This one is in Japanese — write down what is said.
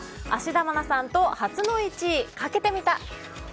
芦田愛菜さんと初の１位かけてみた。